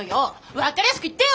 分かりやすく言ってよ！